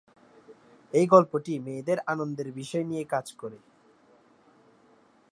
এই গল্পটি মেয়েদের আনন্দের বিষয় নিয়ে কাজ করে।